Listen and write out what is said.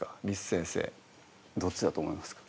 簾先生どっちだと思いますか？